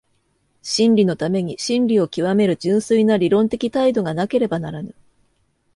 真理のために真理を究める純粋な理論的態度がなければならぬ。